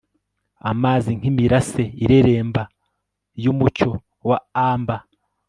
Amazi nkimirase ireremba yumucyo wa amber